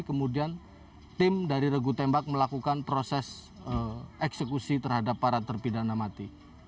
kemudian tim dari regu tembak melakukan proses eksekusi terhadap para terpidana mati